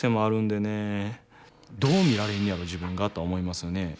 どう見られんねやろ自分がとは思いますよね。